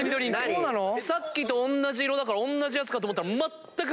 さっきとおんなじ色だからおんなじやつかと思ったら。